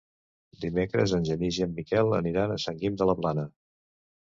Dimecres en Genís i en Miquel aniran a Sant Guim de la Plana.